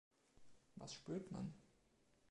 Was spürt man?